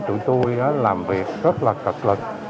tụi tôi làm việc rất là cực lực